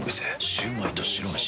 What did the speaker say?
シュウマイと白めし。